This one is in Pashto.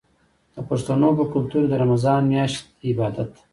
د پښتنو په کلتور کې د رمضان میاشت د عبادت ده.